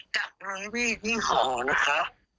จากรุ่นพี่ที่ขอนะคะ